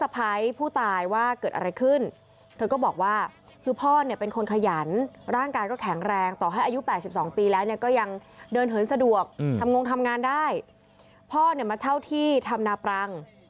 พี่ผู้ชายเดือมงานได้พ่อเนี่ยมาเช่าที่ทำนาปรัง